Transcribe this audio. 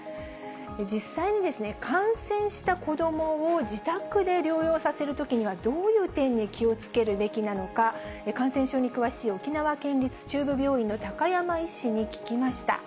実際に、感染した子どもを自宅で療養させるときには、どういう点に気をつけるべきなのか、感染症に詳しい沖縄県立中部病院の高山医師に聞きました。